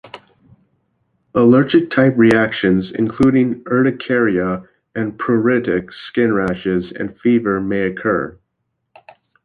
Allergic-type reactions, including urticaria, pruritic skin rashes, and fever, may occur.